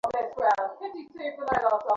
পরে মুক্তি পেয়েছিলেন।